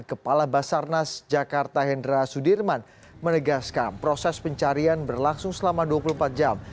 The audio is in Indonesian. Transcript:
kepala basarnas jakarta hendra sudirman menegaskan proses pencarian berlangsung selama dua puluh empat jam